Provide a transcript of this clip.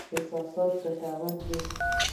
احساسات ګټور دي.